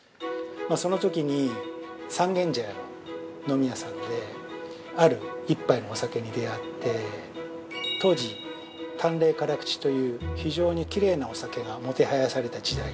◆そのときに三軒茶屋の飲み屋さんである１杯のお酒に出会って当時、淡麗辛口という非常にきれいなお酒がもてはやされた時代。